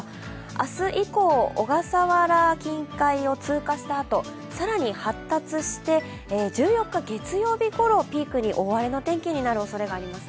明日以降、小笠原近海を通過したあと、更に発達して１４日月曜日ごろをピークに大荒れになる予想です。